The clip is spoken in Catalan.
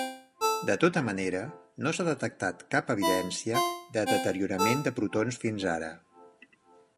De tota manera, no s'ha detectat cap evidència de deteriorament de protons fins ara.